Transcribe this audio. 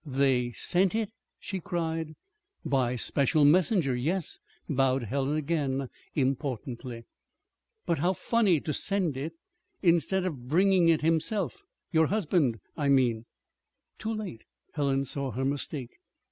"They sent it?" she cried. "By special messenger yes," bowed Helen, again importantly. "But how funny to send it, instead of bringing it himself your husband, I mean." Too late Helen saw her mistake.